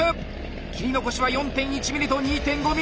切り残しは４．１ｍｍと２．５ｍｍ。